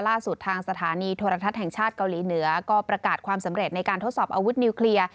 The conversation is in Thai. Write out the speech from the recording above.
ล่าสุดทางสถานีโทรทัศน์แห่งชาติเกาหลีเหนือก็ประกาศความสำเร็จในการทดสอบอาวุธนิวเคลียร์